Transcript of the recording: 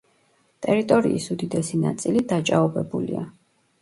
ტერიტორიის უდიდესი ნაწილი დაჭაობებულია.